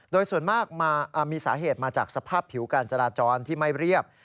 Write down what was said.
โดยส่วนมากมีสาเหตุมาจากสภาพผิวการจราจรที่ไม่เรียบ